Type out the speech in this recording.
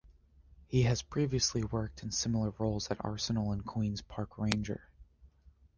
He has previously worked in similar roles at Arsenal and Queens Park Rangers.